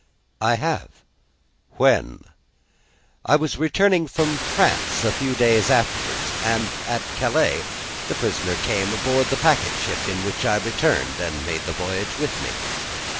"I have." "When?" "I was returning from France a few days afterwards, and, at Calais, the prisoner came on board the packet ship in which I returned, and made the voyage with me."